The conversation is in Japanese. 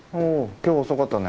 今日遅かったね。